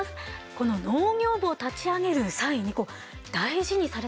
この農業部を立ち上げる際に大事にされたことってどんなことですか。